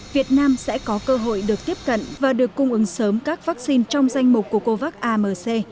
việt nam sẽ có cơ hội được tiếp cận và được cung ứng sớm các vaccine trong danh mục của covax amc